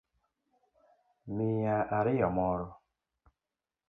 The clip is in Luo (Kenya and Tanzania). Miya ariyo moro